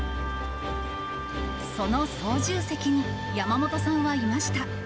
その操縦席に山本さんはいました。